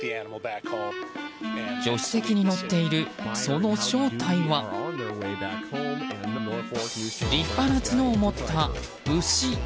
助手席に乗っているその正体は立派な角を持った牛。